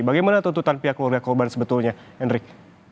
bagaimana tuntutan pihak keluarga korban sebetulnya enrik